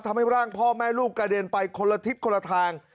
ทำให้ร่างพ่อแม่ลูกกระเด็นไปคนละทิศคนละทาง